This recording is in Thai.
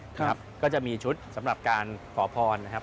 ครับก็จะมีชุดสำหรับการขอพรนะครับ